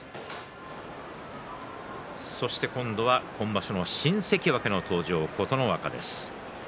そして今度は今場所の新関脇の登場、琴ノ若です。